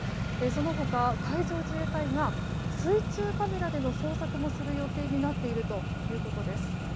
その他、海上自衛隊が水中カメラでの捜索もする予定になっているということです。